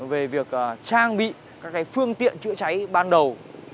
về việc trang bị các phương tiện chữa cháy ban đầu